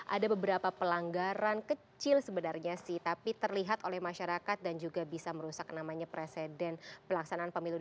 ada beberapa pelanggaran kecil sebenarnya sih tapi terlihat oleh masyarakat dan juga bisa merusak namanya presiden pelaksana pemilu